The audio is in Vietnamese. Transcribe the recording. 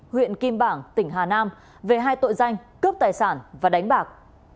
huyện kim bảng tỉnh hà nam về hai tội danh cướp tài sản và đánh bạc